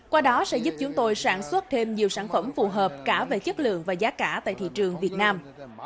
qua đó sẽ giúp chúng tôi sản xuất thêm nhiều sản phẩm phù hợp cả về chất lượng và giá cả tại thị trường việt nam